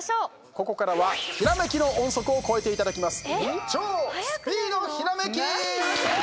ここからはひらめきの音速を超えていただきます。